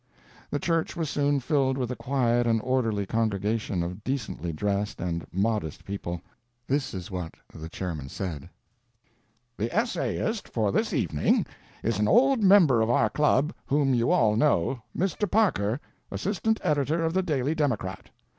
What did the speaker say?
The church was soon filled with a quiet and orderly congregation of decently dressed and modest people. This is what the chairman said: "The essayist for this evening is an old member of our club whom you all know, Mr. Parker, assistant editor of the Daily Democrat.